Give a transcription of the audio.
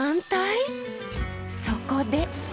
そこで。